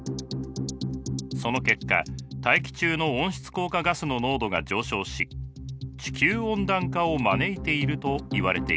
その結果大気中の温室効果ガスの濃度が上昇し地球温暖化を招いているといわれています。